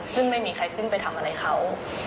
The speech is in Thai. ซึ่งไม่มีใครขึ้นไปทำอะไรเขา